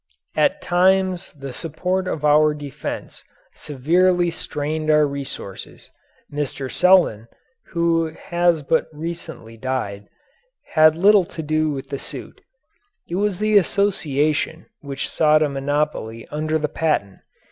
At times the support of our defense severely strained our resources. Mr. Selden, who has but recently died, had little to do with the suit. It was the association which sought a monopoly under the patent.